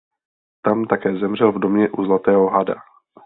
Tam také zemřel v domě "U zlatého hada".